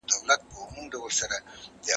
له بدو څخه یا غلی اوسه یا لیري اوسه.